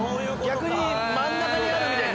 逆に真ん中にあるみたいに。